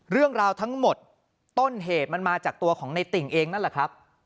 เรื่องราวทั้งหมดต้นเหตุมันมาจากตัวของในติ่งเองนั่นแหละครับ